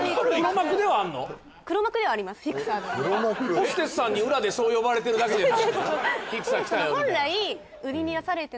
ホステスさんに裏でそう呼ばれてるだけじゃなくて？